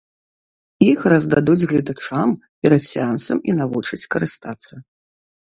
Іх раздадуць гледачам перад сеансам і навучаць карыстацца.